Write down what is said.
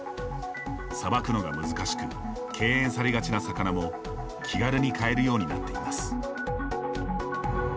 さばくのが難しく敬遠されがちな魚も気軽に買えるようになっています。